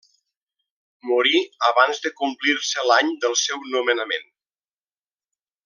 Morí abans de complir-se l'any del seu nomenament.